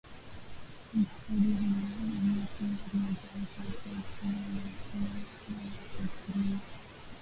Uibushwaji huu huathiri wa hali ya mhemko usioelekezwa inayohusiana na dawa za kulevya